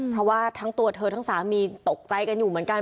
เพราะว่าทั้งตัวเธอทั้งสามีตกใจกันอยู่เหมือนกัน